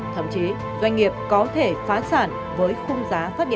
thậm chí doanh nghiệp có thể phá sản với khung